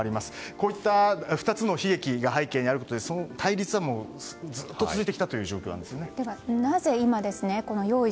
こういった２つの悲劇が背景にあることで対立はずっと続いてきたというではなぜ今用意